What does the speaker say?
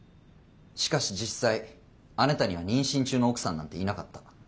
しかし実際あなたには妊娠中の奥さんなんていなかった。